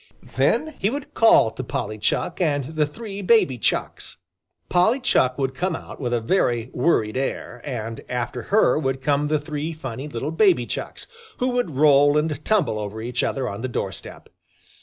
Then he would call to Polly Chuck and the three baby Chucks. Polly Chuck would come out with a very worried air, and after her would come the three funny little baby Chucks, who would roll and tumble over each other on the doorstep.